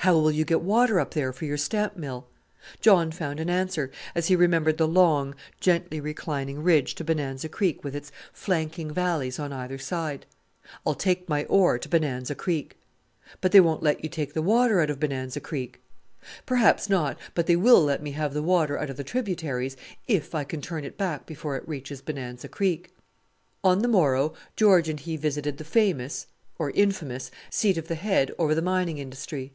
"How will you get water up there for your stamp mill?" John found an answer, as he remembered the long, gently reclining ridge to Bonanza Creek with its flanking valleys on either side. "I'll take my ore to Bonanza Creek." "But they won't let you take the water out of Bonanza Creek." "Perhaps not; but they will let me have the water out of the tributaries if I can turn it back before it reaches Bonanza Creek." On the morrow George and he visited the famous or infamous seat of the Head over the mining industry.